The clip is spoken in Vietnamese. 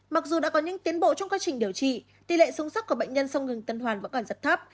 mặc dù đã có những tiến bộ trong quá trình điều trị tỷ lệ sống sót của bệnh nhân sau ngừng tần hoa vẫn còn rất thấp